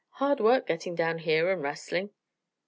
Hard work getting down here and wrastling."